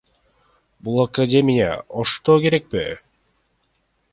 Бул академия Ошто керекпи?